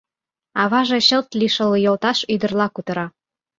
Аваже чылт лишыл йолташ ӱдырла кутыра.